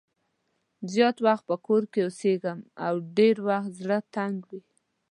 زیات وخت په کور کې اوسېږم او ډېری وخت زړه تنګ وي.